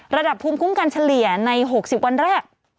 ระดับภูมิคุ้มกันเฉลี่ยใน๖๐วันแรก